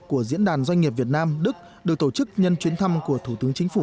của diễn đàn doanh nghiệp việt nam đức được tổ chức nhân chuyến thăm của thủ tướng chính phủ